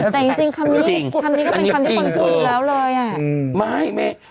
แต่จริงคำนี้คำนี้ก็เป็นคำที่คนพูดอยู่แล้วเลยอ่ะไม่ไม่